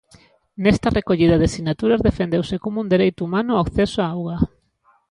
Nesta recollida de sinaturas defendeuse como un dereito humano o acceso á auga.